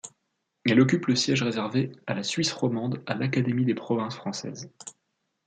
Elle occupe le siège réservé à la Suisse romande à l'Académie des provinces françaises.